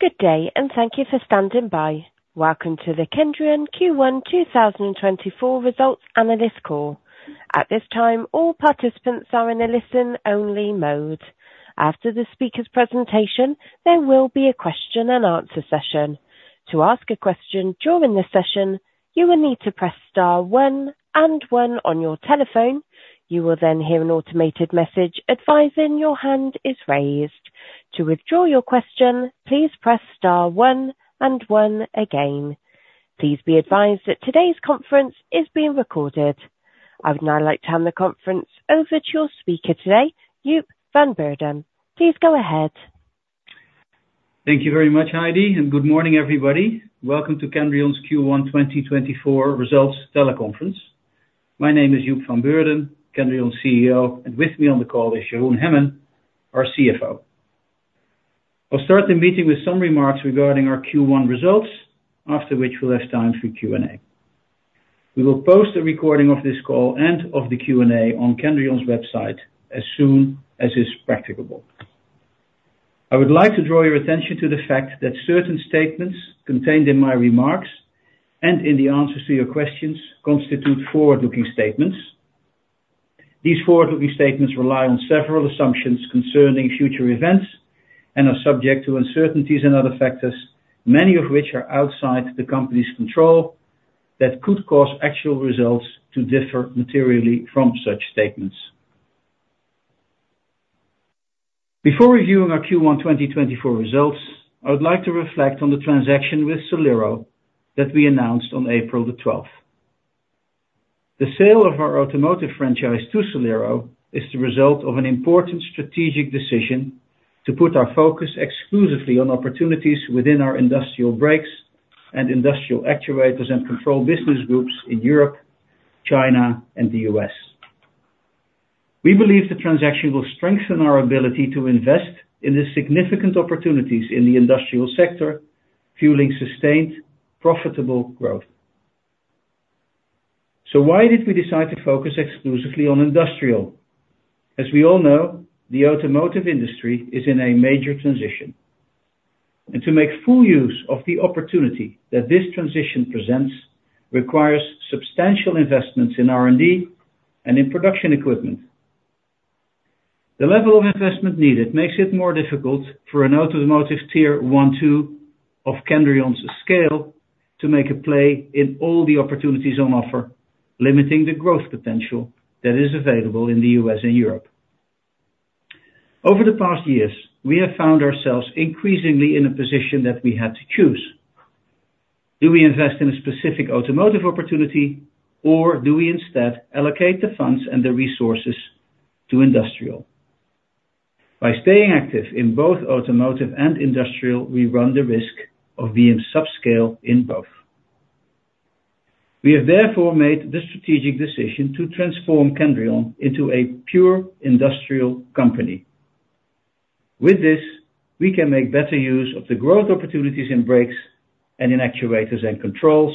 Good day, and thank you for standing by. Welcome to the Kendrion Q1 2024 Results Analyst Call. At this time, all participants are in a listen-only mode. After the speaker's presentation, there will be a question-and-answer session. To ask a question during the session, you will need to press star one and one on your telephone. You will then hear an automated message advising your hand is raised. To withdraw your question, please press star one and one again. Please be advised that today's conference is being recorded. I would now like to hand the conference over to your speaker today, Joep van Beurden. Please go ahead. Thank you very much, Heidi, and good morning, everybody. Welcome to Kendrion's Q1 2024 Results Teleconference. My name is Joep van Beurden, Kendrion's CEO, and with me on the call is Jeroen Hemmen, our CFO. I'll start the meeting with some remarks regarding our Q1 results, after which we'll have time for Q&A. We will post a recording of this call and of the Q&A on Kendrion's website as soon as is practicable. I would like to draw your attention to the fact that certain statements contained in my remarks and in the answers to your questions constitute forward-looking statements. These forward-looking statements rely on several assumptions concerning future events and are subject to uncertainties and other factors, many of which are outside the company's control, that could cause actual results to differ materially from such statements. Before reviewing our Q1 2024 results, I would like to reflect on the transaction with Solero that we announced on April 12th. The sale of our Automotive franchise to Solero is the result of an important strategic decision to put our focus exclusively on opportunities within our Industrial Brakes and Industrial Actuators and Controls business groups in Europe, China, and the U.S. We believe the transaction will strengthen our ability to invest in the significant opportunities in the industrial sector, fueling sustained, profitable growth. So why did we decide to focus exclusively on industrial? As we all know, the Automotive industry is in a major transition, and to make full use of the opportunity that this transition presents requires substantial investments in R&D and in production equipment. The level of investment needed makes it more difficult for an Automotive Tier 1/2 of Kendrion's scale to make a play in all the opportunities on offer, limiting the growth potential that is available in the U.S. and Europe. Over the past years, we have found ourselves increasingly in a position that we had to choose. Do we invest in a specific Automotive opportunity, or do we instead allocate the funds and the resources to industrial? By staying active in both Automotive and industrial, we run the risk of being subscale in both. We have therefore made the strategic decision to transform Kendrion into a pure industrial company. With this, we can make better use of the growth opportunities in Brakes and in Actuators and Controls,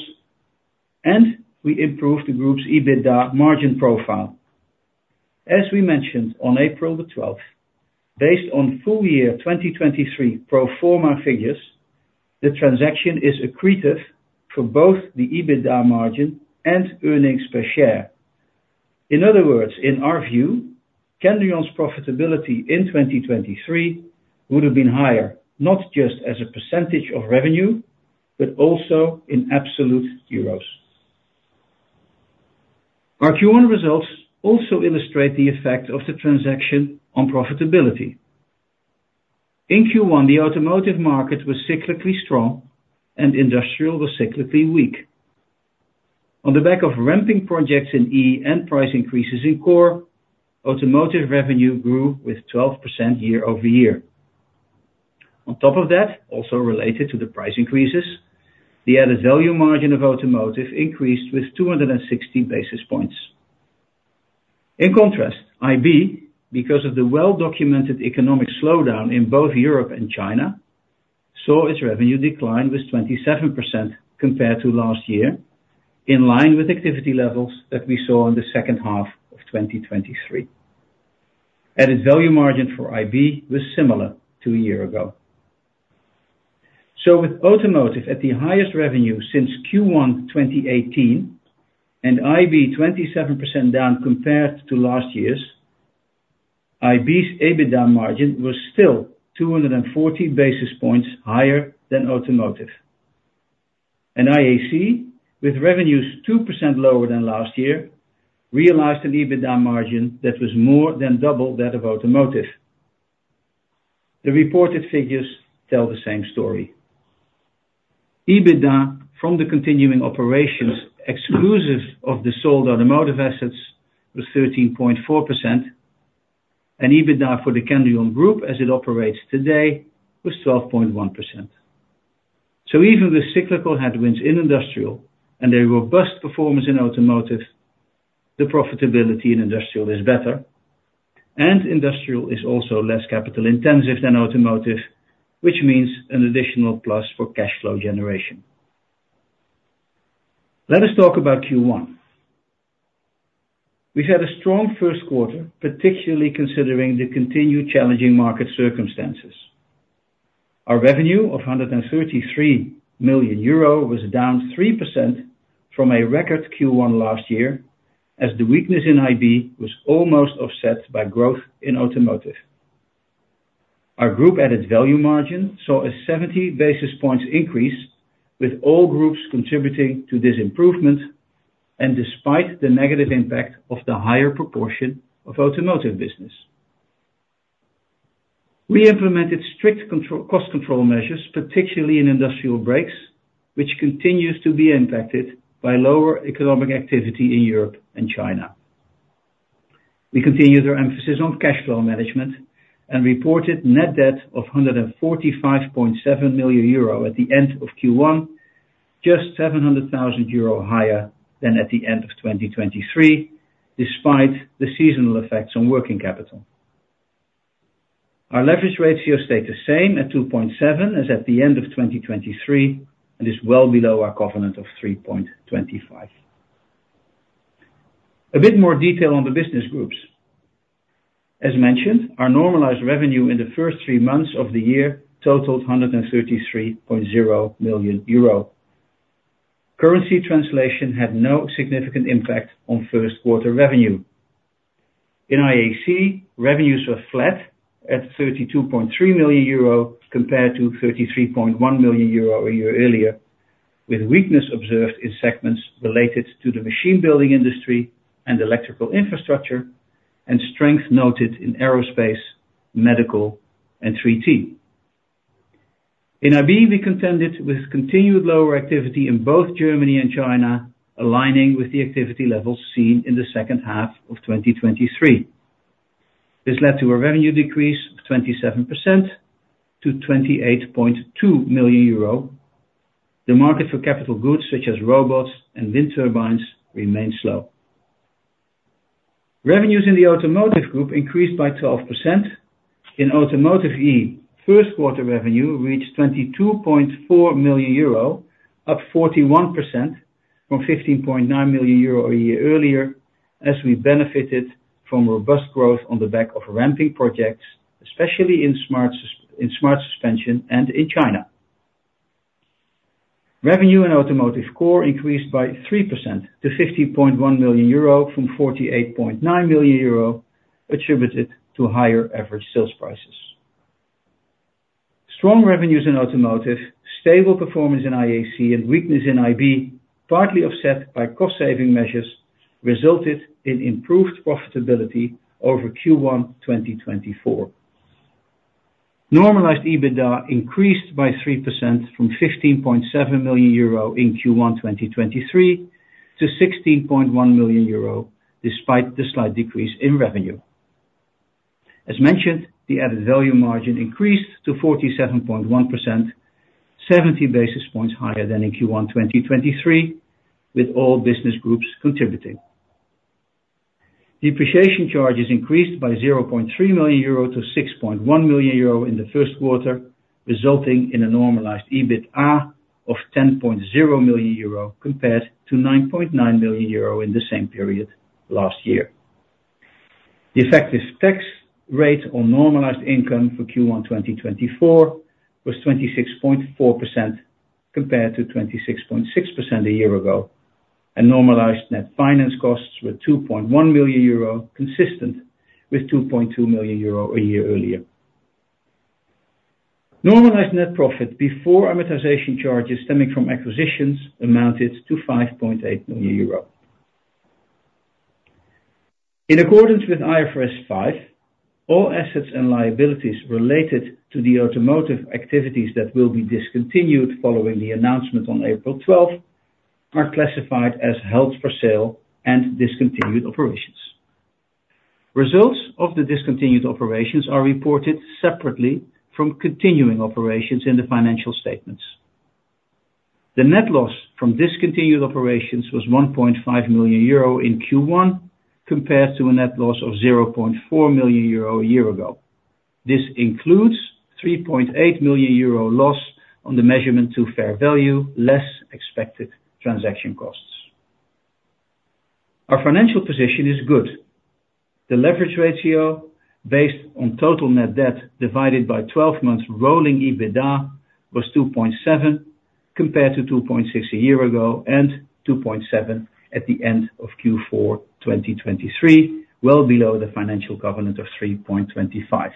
and we improve the group's EBITDA margin profile. As we mentioned on April 12th, based on full year 2023 pro forma figures, the transaction is accretive for both the EBITDA margin and earnings per share. In other words, in our view, Kendrion's profitability in 2023 would have been higher, not just as a percentage of revenue, but also in absolute euros. Our Q1 results also illustrate the effect of the transaction on profitability. In Q1, the Automotive market was cyclically strong and industrial was cyclically weak. On the back of ramping projects in E and price increases in Core, Automotive revenue grew with 12% year-over-year. On top of that, also related to the price increases, the added value margin of Automotive increased with 260 basis points. In contrast, IB, because of the well-documented economic slowdown in both Europe and China, saw its revenue decline with 27% compared to last year, in line with activity levels that we saw in the second half of 2023. Added value margin for IB was similar to a year ago. So, with Automotive at the highest revenue since Q1 2018 and IB 27% down compared to last year's, IB's EBITDA margin was still 240 basis points higher than Automotive. And IAC, with revenues 2% lower than last year, realized an EBITDA margin that was more than double that of Automotive. The reported figures tell the same story. EBITDA from the continuing operations, exclusive of the sold Automotive assets, was 13.4%, and EBITDA for the Kendrion Group, as it operates today, was 12.1%. So, even with cyclical headwinds in Industrial and a robust performance in Automotive, the profitability in Industrial is better, and Industrial is also less capital-intensive than Automotive, which means an additional plus for cash flow generation. Let us talk about Q1. We've had a strong first quarter, particularly considering the continued challenging market circumstances. Our revenue of 133 million euro was down 3% from a record Q1 last year, as the weakness in IB was almost offset by growth in Automotive. Our group added value margin saw a 70 basis points increase, with all groups contributing to this improvement, and despite the negative impact of the higher proportion of Automotive business. We implemented strict cost control measures, particularly in industrial brakes, which continues to be impacted by lower economic activity in Europe and China. We continued our emphasis on cash flow management and reported net debt of 145.7 million euro at the end of Q1, just 700,000 euro higher than at the end of 2023, despite the seasonal effects on working capital. Our leverage ratio stayed the same at 2.7 as at the end of 2023, and is well below our covenant of 3.25. A bit more detail on the business groups. As mentioned, our normalized revenue in the first three months of the year totaled 133.0 million euro. Currency translation had no significant impact on first quarter revenue. In IAC, revenues were flat at 32.3 million euro, compared to 33.1 million euro a year earlier, with weakness observed in segments related to the Machine Building industry and Electrical Infrastructure, and strength noted in Aerospace, Medical, and 3T. In IB, we contended with continued lower activity in both Germany and China, aligning with the activity levels seen in the second half of 2023. This led to a revenue decrease of 27% to 28.2 million euro. The market for capital goods, such as robots and wind turbines, remained slow. Revenues in the Automotive group increased by 12%. In Automotive E, first quarter revenue reached 22.4 million euro, up 41% from 15.9 million euro a year earlier, as we benefited from robust growth on the back of ramping projects, especially in Smart Suspension and in China. Revenue in Automotive Core increased by 3% to 50.1 million euro from 48.9 million euro, attributed to higher average sales prices. Strong revenues in Automotive, stable performance in IAC, and weakness in IB, partly offset by cost saving measures, resulted in improved profitability over Q1 2024. Normalized EBITDA increased by 3% from 15.7 million euro in Q1 2023, to 16.1 million euro, despite the slight decrease in revenue. As mentioned, the added value margin increased to 47.1%, 70 basis points higher than in Q1 2023, with all business groups contributing. Depreciation charges increased by 0.3 million euro to 6.1 million euro in the first quarter, resulting in a normalized EBITA of 10.0 million euro, compared to 9.9 million euro in the same period last year. The effective tax rate on normalized income for Q1 2024 was 26.4%, compared to 26.6% a year ago, and normalized net finance costs were 2.1 million euro, consistent with 2.2 million euro a year earlier. Normalized net profit before amortization charges stemming from acquisitions amounted to 5.8 million euro. In accordance with IFRS 5, all assets and liabilities related to the Automotive activities that will be discontinued following the announcement on April 12th, are classified as held for sale and discontinued operations. Results of the discontinued operations are reported separately from continuing operations in the financial statements. The net loss from discontinued operations was 1.5 million euro in Q1, compared to a net loss of 0.4 million euro a year ago. This includes 3.8 million euro loss on the measurement to fair value, less expected transaction costs. Our financial position is good. The leverage ratio, based on total net debt divided by 12 months rolling EBITDA, was 2.7, compared to 2.6 a year ago, and 2.7 at the end of Q4 2023, well below the financial covenant of 3.25.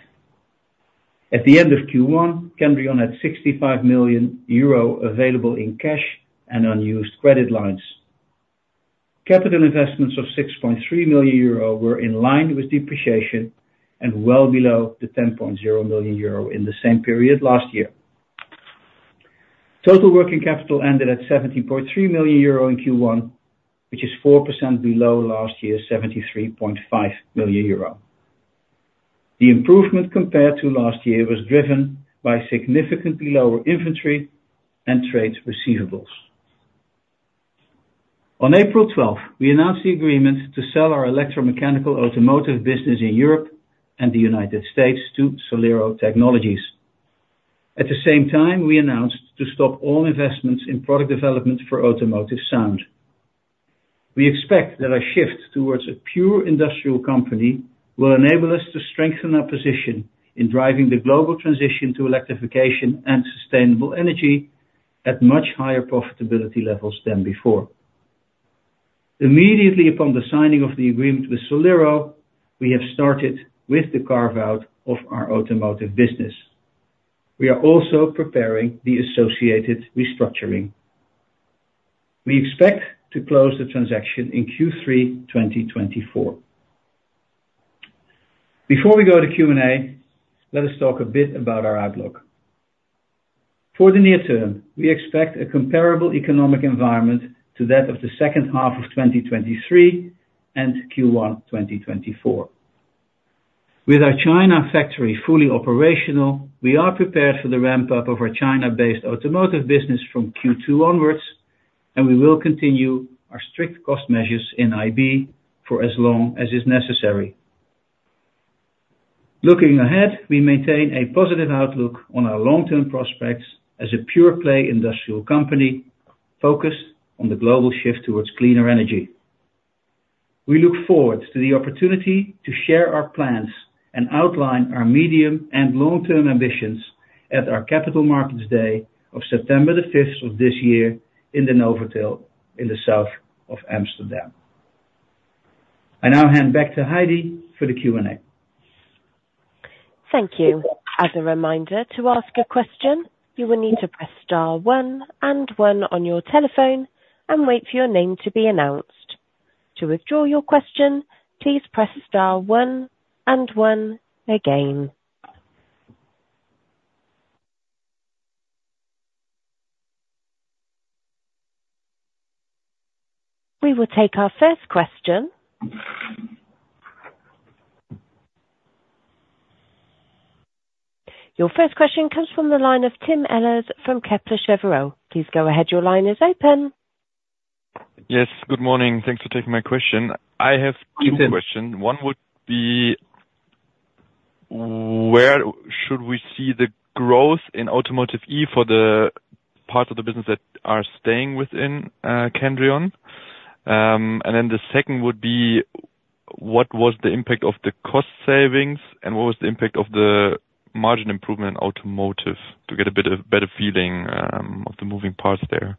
At the end of Q1, Kendrion had 65 million euro available in cash and unused credit lines. Capital investments of 6.3 million euro were in line with depreciation and well below the 10.0 million euro in the same period last year. Total working capital ended at 70.3 million euro in Q1, which is 4% below last year's 73.5 million euro. The improvement compared to last year was driven by significantly lower inventory and trade receivables. On April 12th, we announced the agreement to sell our Electromechanical Automotive business in Europe and the United States to Solero Technologies.... At the same time, we announced to stop all investments in product development for Automotive Sound. We expect that a shift towards a pure industrial company will enable us to strengthen our position in driving the global transition to electrification and sustainable energy at much higher profitability levels than before. Immediately upon the signing of the agreement with Solero, we have started with the carve-out of our Automotive business. We are also preparing the associated restructuring. We expect to close the transaction in Q3 2024. Before we go to Q&A, let us talk a bit about our outlook. For the near term, we expect a comparable economic environment to that of the second half of 2023 and Q1 2024. With our China factory fully operational, we are prepared for the ramp-up of our China-based Automotive business from Q2 onwards, and we will continue our strict cost measures in IB for as long as is necessary. Looking ahead, we maintain a positive outlook on our long-term prospects as a pure-play industrial company focused on the global shift towards cleaner energy. We look forward to the opportunity to share our plans and outline our medium and long-term ambitions at our Capital Markets Day of September 5th of this year in the Novotel in the south of Amsterdam. I now hand back to Heidi for the Q&A. Thank you. As a reminder, to ask a question, you will need to press star one and one on your telephone and wait for your name to be announced. To withdraw your question, please press star one and one again. We will take our first question. Your first question comes from the line of Tim Ehlers from Kepler Cheuvreux. Please go ahead. Your line is open. Yes, good morning. Thanks for taking my question. I have two questions. One would be, where should we see the growth in Automotive E for the parts of the business that are staying within, Kendrion? And then the second would be, what was the impact of the cost savings, and what was the impact of the margin improvement in Automotive? To get a bit of better feeling, of the moving parts there.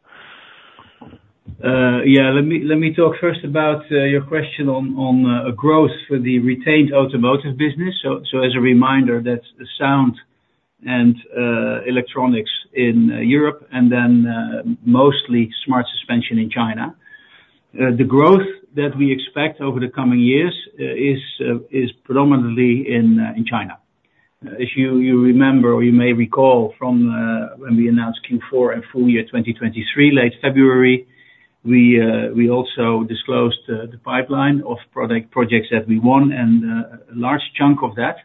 Yeah, let me talk first about your question on growth for the retained Automotive business. So, as a reminder, that's the Sound and Electronics in Europe and then mostly Smart Suspension in China. The growth that we expect over the coming years is predominantly in China. If you remember, or you may recall from when we announced Q4 and full year 2023, late February, we also disclosed the pipeline of product projects that we won, and a large chunk of that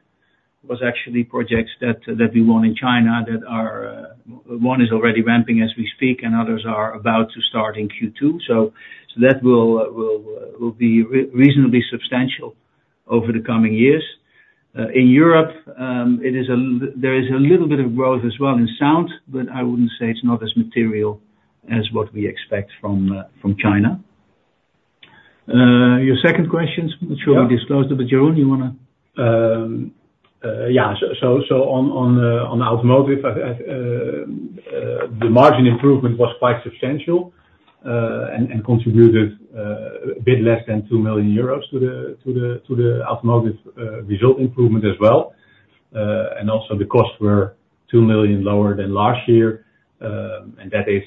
was actually projects that we won in China, that are one is already ramping as we speak, and others are about to start in Q2. So, that will be reasonably substantial over the coming years. In Europe, there is a little bit of growth as well in Sound, but I wouldn't say it's not as material as what we expect from China. Your second question, which we disclosed a bit, Jeroen, you want to...? Yeah, so on Automotive, the margin improvement was quite substantial, and contributed a bit less than 2 million euros to the Automotive result improvement as well. And also, the costs were 2 million lower than last year, and that is,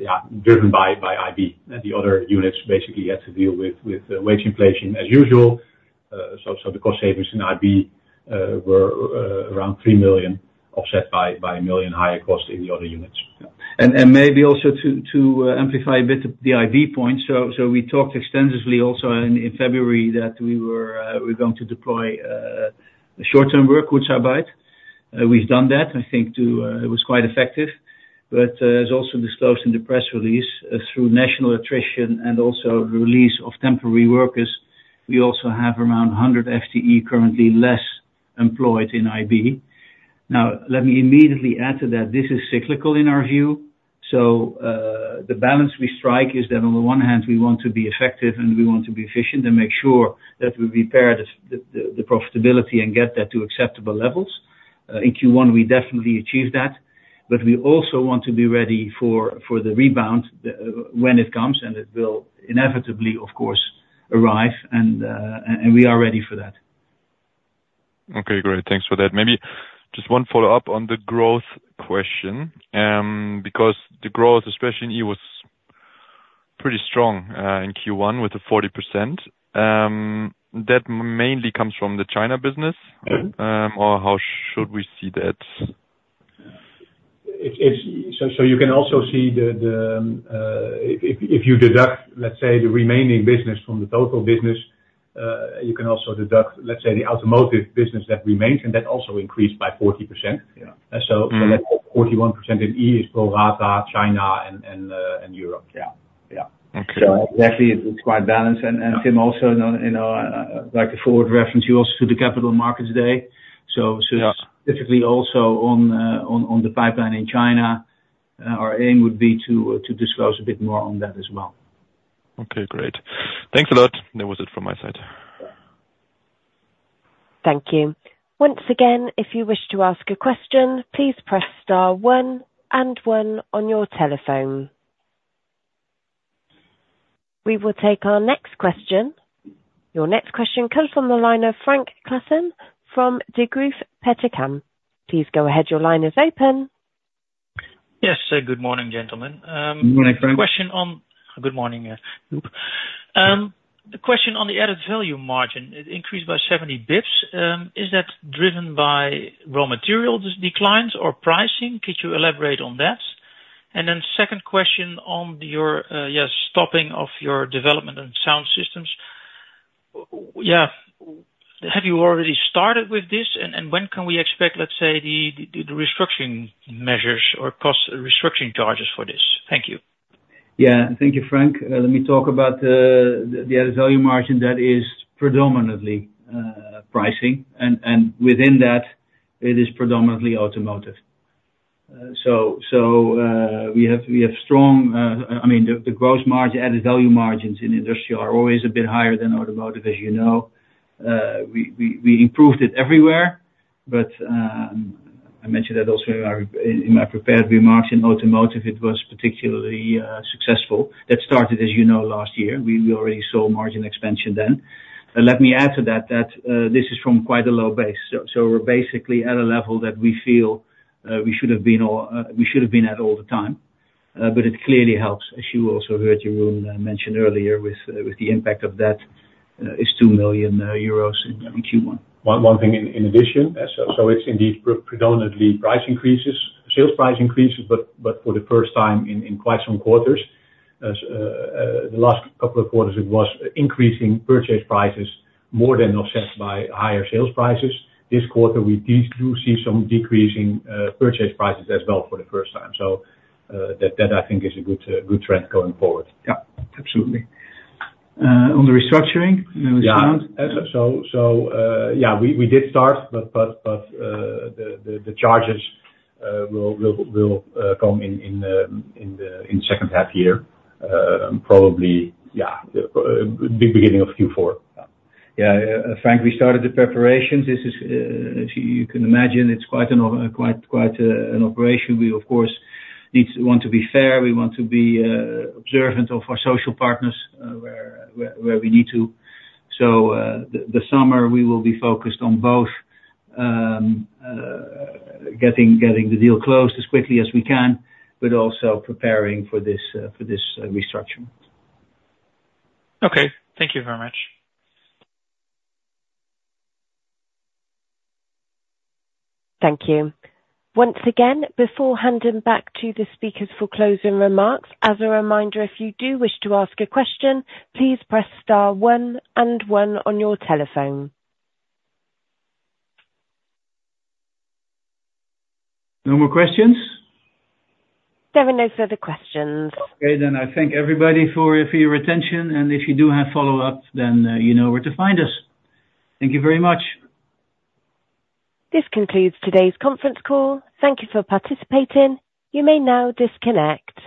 yeah, driven by IB. And the other units basically had to deal with wage inflation as usual. So, the cost savings in IB were around 3 million, offset by 1 million higher cost in the other units. And maybe also to amplify a bit the IB point. So, we talked extensively also in February that we were going to deploy Kurzarbeit. We've done that, I think. It was quite effective, but as also disclosed in the press release, through natural attrition and also release of temporary workers, we also have around 100 FTE currently less employed in IB. Now, let me immediately add to that, this is cyclical in our view. So, the balance we strike is that on the one hand, we want to be effective and we want to be efficient, and make sure that we repair the profitability and get that to acceptable levels. In Q1, we definitely achieved that, but we also want to be ready for the rebound when it comes, and it will inevitably, of course, arrive, and we are ready for that. Okay, great. Thanks for that. Maybe just one follow-up on the growth question, because the growth, especially in E, was pretty strong in Q1 with the 40%. That mainly comes from the China business- Mm-hmm. or how should we see that? So, you can also see if you deduct, let's say, the remaining business from the total business, you can also deduct, let's say, the Automotive business that remains, and that also increased by 40%. Yeah. So, 41% in E is pro rata, China, and, and-... Yeah. So actually, it's quite balanced. And, and Tim also know, you know, like a forward reference, you also to the Capital Markets Day. So, so- Yeah. Typically, also on the pipeline in China, our aim would be to disclose a bit more on that as well. Okay, great. Thanks a lot. That was it from my side. Thank you. Once again, if you wish to ask a question, please press star one and one on your telephone. We will take our next question. Your next question comes from the line of Frank Claassen from Degroof Petercam. Please go ahead. Your line is open. Yes, good morning, gentlemen. Good morning, Frank. Good morning, yeah. The question on the added value margin, it increased by 70 basis points. Is that driven by raw material declines or pricing? Could you elaborate on that? And then second question on your stopping of your development and sound systems. Yeah, have you already started with this? And when can we expect, let's say, the restructuring measures or cost restructuring charges for this? Thank you. Yeah. Thank you, Frank. Let me talk about the added value margin that is predominantly pricing, and within that, it is predominantly Automotive. So, we have strong. I mean, the gross margin, added value margins in industrial are always a bit higher than Automotive, as you know. We improved it everywhere, but I mentioned that also in our in my prepared remarks, in Automotive, it was particularly successful. That started, as you know, last year. We already saw margin expansion then. But let me add to that, that this is from quite a low base. So, we're basically at a level that we feel we should have been at all the time. But it clearly helps, as you also heard Jeroen mention earlier, with the impact of that is 2 million euros in Q1. One thing in addition, so it's indeed predominantly price increases, sales price increases, but for the first time in quite some quarters, as the last couple of quarters, it was increasing purchase prices more than offset by higher sales prices. This quarter, we did see some decreasing purchase prices as well for the first time. So, that, I think, is a good trend going forward. Yeah, absolutely. On the restructuring, may we sound? Yeah. So, yeah, we did start, but the charges will come in the second half year, probably... Yeah. ...beginning of Q4. Yeah. Frank, we started the preparations. This is, as you can imagine, it's quite an operation. We, of course, need to want to be fair, we want to be observant of our social partners, where we need to. So, the summer, we will be focused on both, getting the deal closed as quickly as we can, but also preparing for this restructuring. Okay. Thank you very much. Thank you. Once again, before handing back to the speakers for closing remarks, as a reminder, if you do wish to ask a question, please press star one and one on your telephone. No more questions? There are no further questions. Okay, then I thank everybody for your attention, and if you do have follow-up, then, you know where to find us. Thank you very much. This concludes today's conference call. Thank you for participating. You may now disconnect.